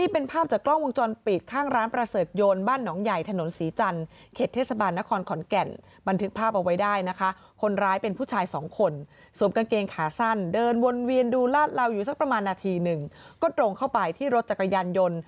เป็นผู้ชายสองคนสวมกางเกงขาสั้นเดินวนเวียนดูลาดเล่าอยู่สักประมาณนาทีหนึ่งก็ตรงเข้าไปที่รถจักรยานยนต์